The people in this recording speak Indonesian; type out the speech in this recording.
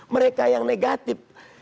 mereka yang negatif